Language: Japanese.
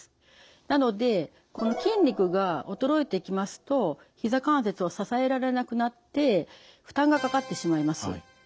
なのでこの筋肉が衰えてきますとひざ関節を支えられなくなって負担がかかってしまいます。